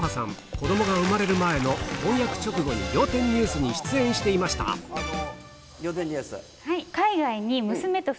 子どもが生まれる前の婚約直後に『仰天ニュース』に出演していました仰天ニュース。